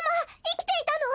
いきていたの？